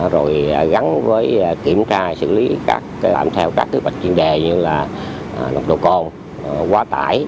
rồi gắn với kiểm tra xử lý các kế hoạch xử lý vi phạm theo các kế hoạch chuyên đề như là nồng độ cồn quá tải